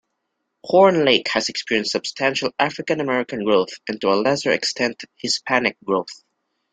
Horn Lake has experienced substantial African-American growth and to a lesser extent Hispanic growth.